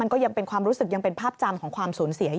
ก็ยังเป็นความรู้สึกยังเป็นภาพจำของความสูญเสียอยู่